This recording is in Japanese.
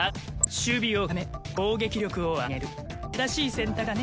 守備を固め攻撃力を上げる正しい選択だね。